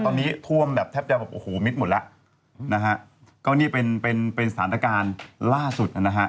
ตอนนี้ท่วมแบบแทบจะแบบโอ้โหมิดหมดแล้วนะฮะก็นี่เป็นเป็นสถานการณ์ล่าสุดนะฮะ